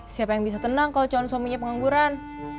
siapa yang bisa tenang kalau calon suaminya pengangguran